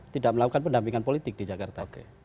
tidak melakukan pendampingan politik di jakarta